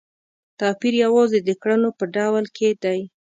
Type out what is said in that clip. توپیر یوازې د کړنو په ډول کې دی.